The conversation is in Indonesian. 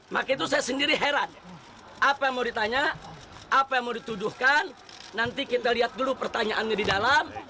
maka itu saya sendiri heran apa yang mau ditanya apa yang mau dituduhkan nanti kita lihat dulu pertanyaannya di dalam